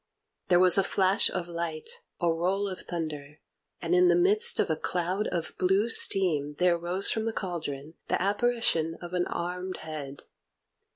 There was a flash of light, a roll of thunder, and in the midst of a cloud of blue steam there rose from the cauldron the Apparition of an armed Head.